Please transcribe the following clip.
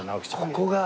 ここが。